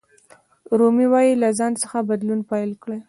رومي وایي له ځان څخه بدلون پیل کړئ.